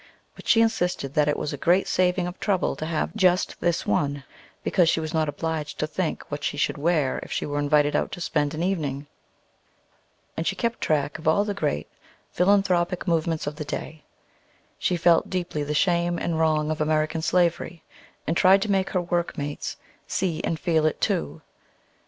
But she insisted that it was a great saving of trouble to have just this one, because she was not obliged to think what she should wear if she were invited out to spend an evening. And she kept track of all the great philanthropic movements of the day. She felt deeply the shame and wrong of American slavery, and tried to make her workmates see and feel it too.